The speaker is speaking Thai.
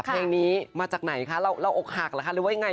เพลงนี้มาจากไหนคะเราอกหักหรือว่าไง